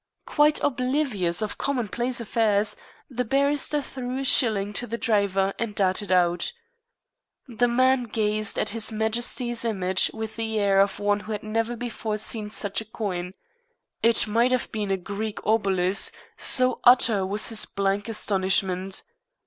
Quite oblivious of commonplace affairs, the barrister threw a shilling to the driver and darted out. The man gazed at his Majesty's image with the air of one who had never before seen such a coin. It might have been a Greek obolus, so utter was his blank astonishment.